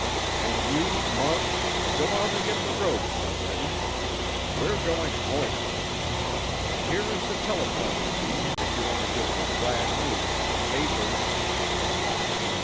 And you, Muggs, go out and get the roadster ready. We're going home! There is a telephone, chief, if you want to give the glad news to the papers."